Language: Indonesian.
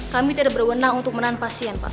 kami tidak berwenang untuk menahan pasien pak